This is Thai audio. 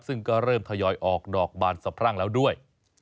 ซึ่งก็เริ่มทยอยออกดอกบานสะพรั่งแล้วด้วย